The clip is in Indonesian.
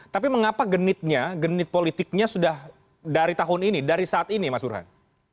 tapi mengapa genitnya genit politiknya sudah dari tahun ini dari saat ini mas burhan